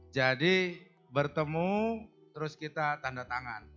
jadi bertemu terus kita tanda tangan